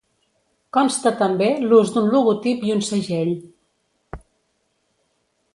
Consta també l'ús d'un logotip i un segell.